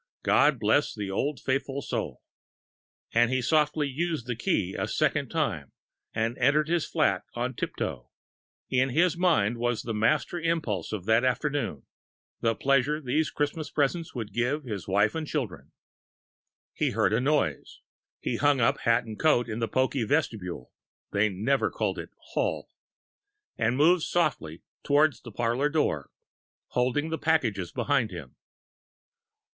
God bless the old faithful soul." And he softly used the key a second time and entered his flat on tiptoe.... In his mind was the master impulse of that afternoon the pleasure these Christmas presents would give his wife and children.... He heard a noise. He hung up hat and coat in the pokey vestibule (they never called it "hall") and moved softly towards the parlour door, holding the packages behind him.